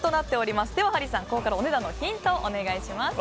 ハリーさん、ここからお値段のヒントをお願いします。